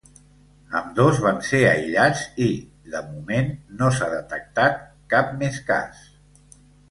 Ambdós van ser aïllats i, de moment, no s’ha detectat cap més cas.